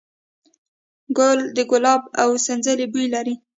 ګل د ګلاب او د سنځلې بوی لري.